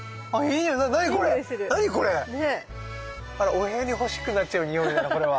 お部屋に欲しくなっちゃうにおいだなこれは。